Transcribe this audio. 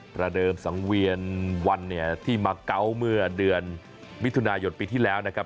ประเดิมสังเวียนวันเนี่ยที่มาเกาะเมื่อเดือนมิถุนายนปีที่แล้วนะครับ